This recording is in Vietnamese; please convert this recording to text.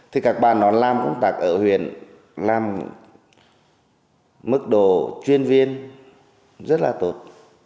thì các bàn nó làm công tạc ở huyền làm mức độ chuyên viên rất là tốt